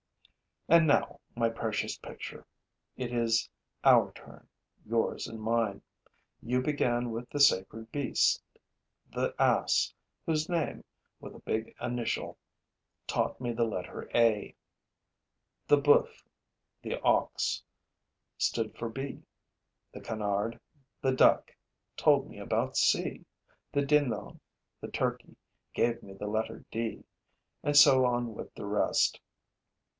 And now, my precious picture, it is our turn, yours and mine. You began with the sacred beast, the ass, whose name, with a big initial, taught me the letter A. The boeuf, the ox, stood for B; the canard, the duck, told me about C; the dindon, the turkey, gave me the letter D. And so on with the rest.